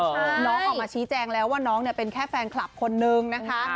น้องออกมาชี้แจงแล้วว่าน้องเนี่ยเป็นแค่แฟนคลับคนนึงนะคะ